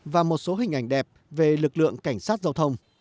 và một số hình ảnh đẹp về lực lượng cảnh sát giao thông